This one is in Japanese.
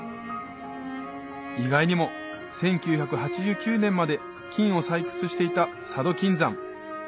意外にも１９８９年まで金を採掘していた佐渡金山